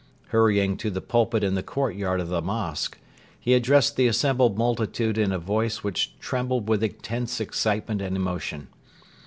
Hurrying to the pulpit in the courtyard of the mosque, he addressed the assembled multitude in a voice which trembled with intense excitement and emotion.